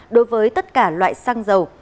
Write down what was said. đối với tất cả loại xăng dầu